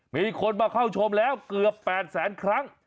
มีคนมาเข้าชมแล้วเกือบ๘แสนครั้ง